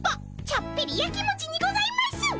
ちょっぴりやきもちにございます！